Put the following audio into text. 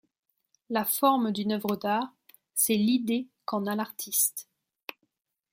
La forme d'une œuvre d'art, c'est l'idée qu'en a l'artiste.